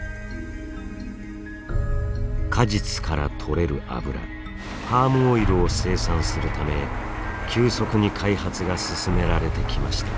果実から取れる油パームオイルを生産するため急速に開発が進められてきました。